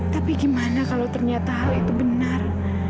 tapi gimana kalau ternyata hal itu benar